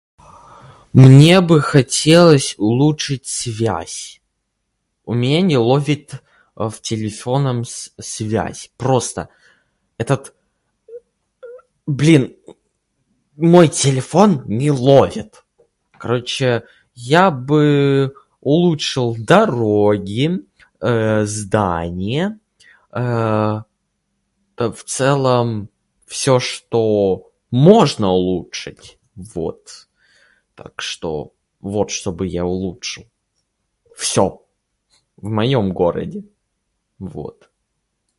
Мне бы хотелось улучшить связь. У меня не ловит, [disfluency|э], в телефоном с связь. Просто этот [disfluency|э, э], блин, [disfluency|э], мой телефон не ловит. Короче, я бы улучшил дороги, [disfluency|э], здания. [disfluency|э-э, э], в целом всё, что можно улучшить, вот. Так что... вот что бы я улучшил. Всё в моём городе. Вот.